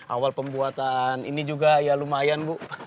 awal pembuatan ini juga ya lumayan bu